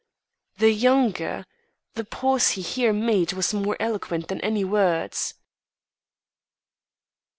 "The younger!" The pause he here made was more eloquent than any words.